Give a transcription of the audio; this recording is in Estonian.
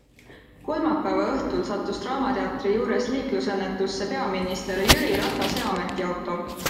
Kolmapäeva õhtul sattus Draamateatri juures liiklusõnnetusse peaminister Jüri Ratase ametiauto.